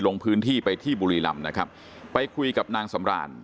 ลงพื้นที่ไปที่บุรีรำนะครับไปคุยกับนางสำราน